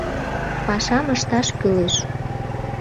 Пашам ышташ кӱлеш.